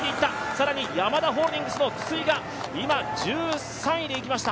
更にヤマダホールディングスの筒井が今、１３位でいきました。